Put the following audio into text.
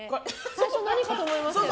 最初何かと思いましたよね。